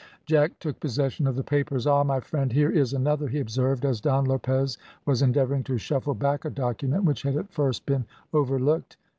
Jack took possession of the papers. "Ah, my friend, here is another," he observed, as Don Lopez was endeavouring to shuffle back a document which had at first been overlooked.